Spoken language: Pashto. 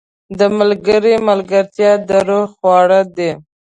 • د ملګري ملګرتیا د روح خواړه دي.